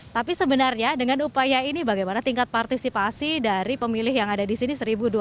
tapi sebenarnya dengan upaya ini bagaimana tingkat partisipasi dari pemilih yang ada di sini